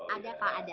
ada pak ada